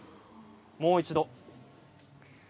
もう一度。